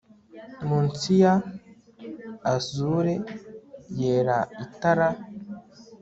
Munsi ya azure yera itara